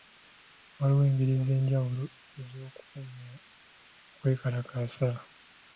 Waliwo engeri ez'enjawulo ez'okukomya okwekalakaasa.